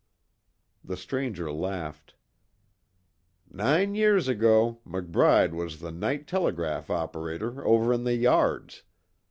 The stranger laughed: "Nine years ago McBride was the night telegraph operator over in the yards.